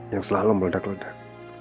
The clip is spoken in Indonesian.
yang selalu meledak ledak